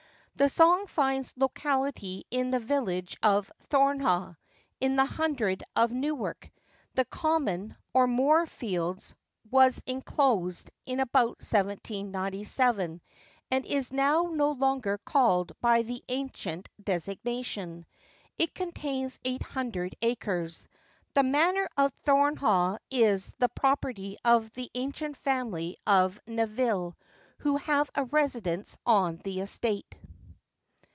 The song finds locality in the village of Thornehagh, in the hundred of Newark. The common, or Moor fields, was inclosed about 1797, and is now no longer called by the ancient designation. It contains eight hundred acres. The manor of Thornehagh is the property of the ancient family of Nevile, who have a residence on the estate.